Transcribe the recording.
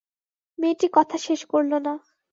মেয়েটি কথা শেষ করল না।